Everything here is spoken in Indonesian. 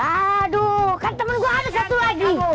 aduh kan temen gue ada satu lagi